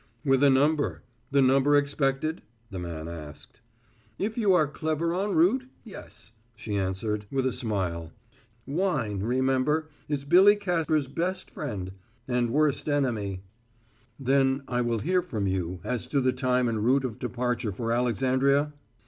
"With a number the number expected?" the man asked. "If you are clever en route yes," she answered, with a smile. "Wine, remember, is Billy Capper's best friend and worst enemy." "Then I will hear from you as to the time and route of departure for Alexandria?"